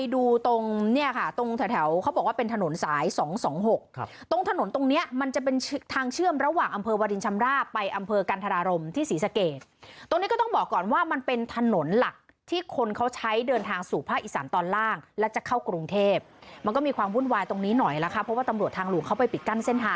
ดูตรงเนี่ยค่ะตรงแถวเขาบอกว่าเป็นถนนสาย๒๒๖ตรงถนนตรงเนี้ยมันจะเป็นทางเชื่อมระหว่างอำเภอวาดินชำราบไปอำเภอกันธรารมที่ศรีสะเกดตรงนี้ก็ต้องบอกก่อนว่ามันเป็นถนนหลักที่คนเขาใช้เดินทางสู่ภาคอีสานตอนล่างและจะเข้ากรุงเทพมันก็มีความวุ่นวายตรงนี้หน่อยนะคะเพราะว่าตำรวจทางหลวงเขาไปปิดกั้นเส้นทาง